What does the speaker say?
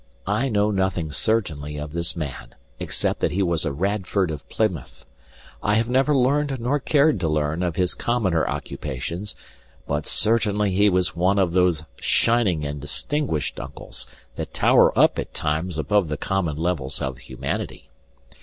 I know nothing certainly of this man except that he was a Radford of Plymouth. I have never learned nor cared to learn of his commoner occupations, but certainly he was one of those shining and distinguished uncles that tower up at times above the common levels of humanity.